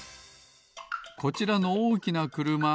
こちらのおおきなくるま。